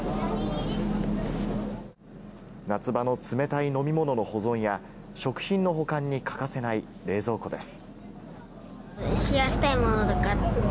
夏場の冷たい飲み物の保存や食品の保管に欠かせない冷蔵庫です。